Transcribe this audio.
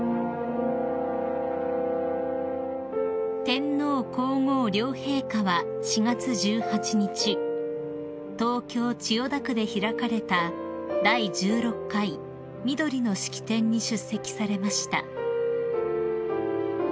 ［天皇皇后両陛下は４月１８日東京千代田区で開かれた第１６回みどりの式典に出席されました］